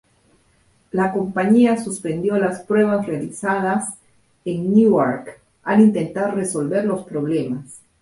La compañía suspendió las pruebas realizadas en Newark al intentar resolver los problemas.